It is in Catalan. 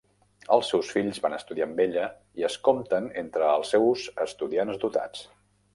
Els seus fills van estudiar amb ella i es compten entre els seus estudiants dotats.